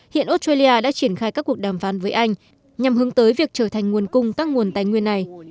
hiện australia đã triển khai các cuộc đàm phán với anh nhằm hướng tới việc trở thành nguồn cung các nguồn tài nguyên này